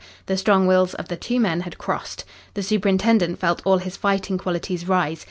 The strong wills of the two men had crossed. The superintendent felt all his fighting qualities rise.